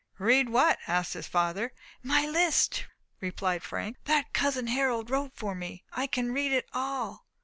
"Read what?" asked his father. "My list," replied Frank, "that cousin Harold wrote for me. I can read it all!"